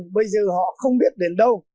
bây giờ họ không biết đến đâu